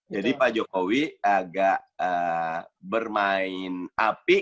jadi pak jokowi agak bermain api